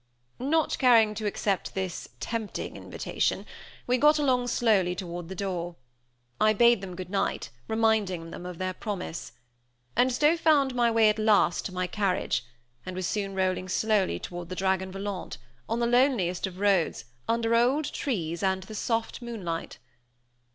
Not caring to accept this tempting invitation, we got along slowly toward the door. I bade them good night, reminding them of their promise. And so found my way at last to my carriage; and was soon rolling slowly toward the Dragon Volant, on the loneliest of roads, under old trees, and the soft moonlight.